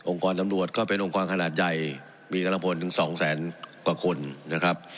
องค์กรตำรวจก็เป็นองค์กรขนาดใหญ่มีการละพนธุ์ถึง๒แสนกว่าคนนะครับ